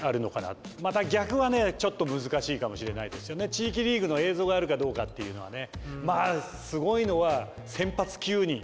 地域リーグの映像があるかどうかっていうのはね。